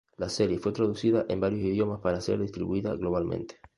La serie fue traducida en varios idiomas para ser distribuida globalmente.